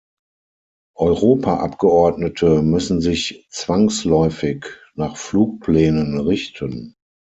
Europaabgeordnete müssen sich zwangsläufig nach Flugplänen richten.